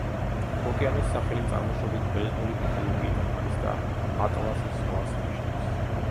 ოკეანის სახელი წარმოშობით ბერძნული მითოლოგიიდან არის და „ატლასის ზღვას“ ნიშნავს.